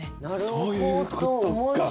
そういうことか！